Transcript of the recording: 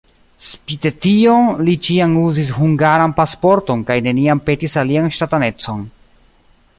Spite tion li ĉiam uzis hungaran pasporton kaj neniam petis alian ŝtatanecon.